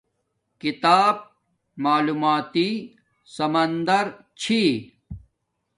کتاب معلوماتی سمندر چھی